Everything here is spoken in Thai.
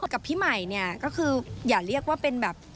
กับพี่ใหม่เนี่ยก็คืออย่าเรียกว่าเป็นแบบ